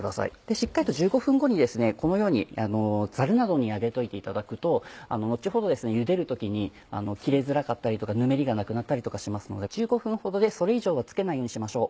しっかりと１５分後にこのようにザルなどに上げといていただくと後ほどゆでる時に切れづらかったりとかぬめりがなくなったりとかしますので１５分ほどでそれ以上はつけないようにしましょう。